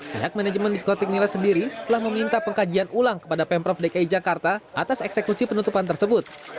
pihak manajemen diskotik nilai sendiri telah meminta pengkajian ulang kepada pemprov dki jakarta atas eksekusi penutupan tersebut